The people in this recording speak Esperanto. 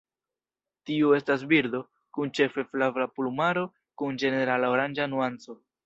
Tiu estas birdo, kun ĉefe flava plumaro kun ĝenerala oranĝa nuanco.